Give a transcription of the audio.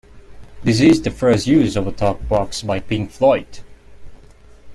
This is the first use of a talk box by Pink Floyd.